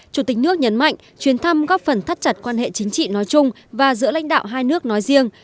chủ tịch nước nhấn mạnh chuyến thăm góp phần thắt chặt quan hệ chính trị nói chung và giữa lãnh đạo hai nước nói riêng